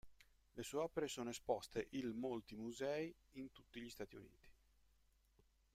Le sue opere sono esposte il molti musei in tutti gli Stati Uniti.